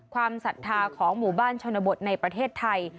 ศรัทธาของหมู่บ้านชนบทในประเทศไทย